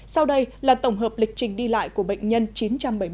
sau đây là tổng hợp lịch trình đi lại của bệnh nhân chín trăm bảy mươi chín này